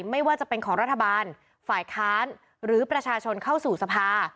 ไม่ว่าจะเป็นของรัฐบาลฝ่ายค้านหรือประชาชนเข้าสู่สภา